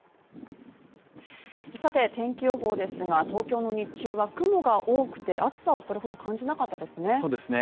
天気予報ですが、東京の日中は雲が多くて、暑さはそれほど感じませんでしたね。